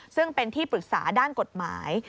ซึ่งเป็นที่ปรึกษาด้านกฎหมาย